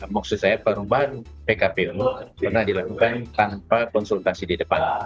maksud saya perubahan pkpu pernah dilakukan tanpa konsultasi di depan